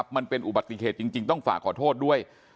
มันเป็นอุบัติเหตุจริงต้องฝากขอโทษด้วย